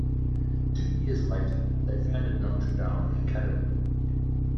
Two years later they founded Notre Dame Academy.